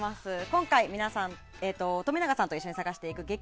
今回、冨永さんと一緒に探していく激